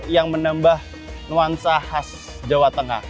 yang menambah nuansa khas jawa tengah